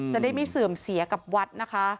จะได้ไม่เสื่อมเสียกับวัดนะคะ